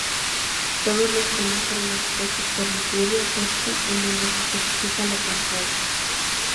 Todos los temas fueron compuestos por Lujuria, excepto en donde se especifica lo contrario.